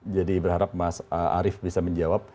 jadi berharap mas arief bisa menjawab